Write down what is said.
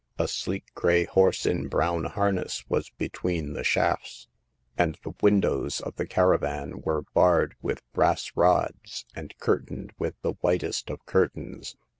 A sleek gray horse in brown harness was between the shafts ; and the windows of the caravan were barred with brass rods and curtained with the whitest of curtains.